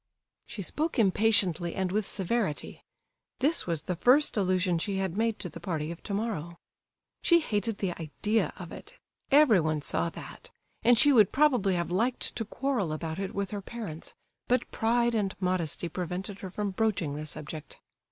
She spoke impatiently and with severity; this was the first allusion she had made to the party of tomorrow. She hated the idea of it, everyone saw that; and she would probably have liked to quarrel about it with her parents, but pride and modesty prevented her from broaching the subject.